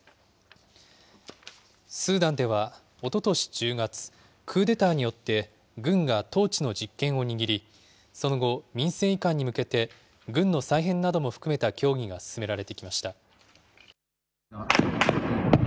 スーダンでは、おととし１０月、クーデターによって軍が統治の実権を握り、その後、民政移管に向けて、軍の再編なども含めた協議が進められてきました。